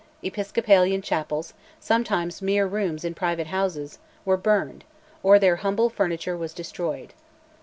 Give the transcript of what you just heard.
Episcopalian chapels, sometimes mere rooms in private houses, were burned, or their humble furniture was destroyed.